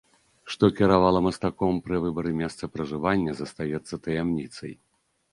Што кіравала мастаком пры выбары месца пражывання, застаецца таямніцай.